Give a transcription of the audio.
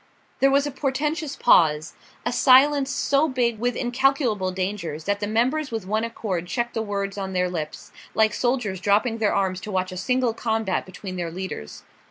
There was a portentous pause, a silence so big with incalculable dangers that the members with one accord checked the words on their lips, like soldiers dropping their arms to watch a single combat between their leaders.